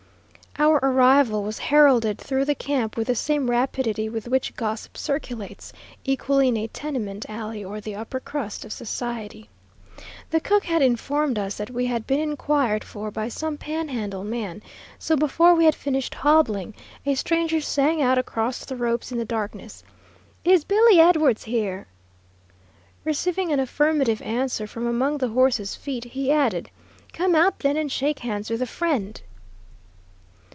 Our arrival was heralded through the camp with the same rapidity with which gossip circulates, equally in a tenement alley or the upper crust of society. The cook had informed us that we had been inquired for by some Panhandle man; so before we had finished hobbling, a stranger sang out across the ropes in the darkness, "Is Billy Edwards here?" Receiving an affirmative answer from among the horses' feet, he added, "Come out, then, and shake hands with a friend."